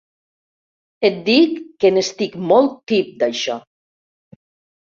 Et dic que n'estic molt tip d'això.